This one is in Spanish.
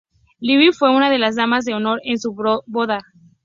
Libby fue una de las damas de honor en su boda.